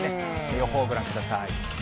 予報をご覧ください。